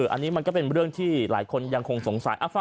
อันนี้มันก็เป็นเรื่องที่หลายคนยังคงสงสัย